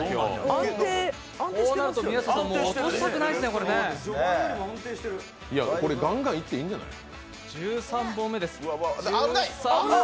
これ、ガンガンいっていいんじゃない？